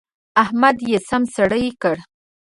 احمد يې سم سړی کړ.